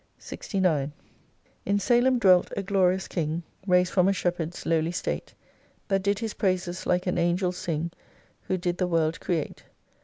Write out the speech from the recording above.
69 1 In Salem dwelt a glorious King, Raised from a shepherd's lowly state ; That did His praises like an angel sing Who did the World create.